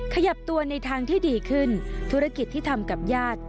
ขยับตัวในทางที่ดีขึ้นธุรกิจที่ทำกับญาติ